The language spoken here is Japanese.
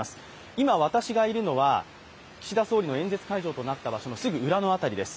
今、私がいるのは岸田総理の演説会場となった場所のすぐ裏の辺りです。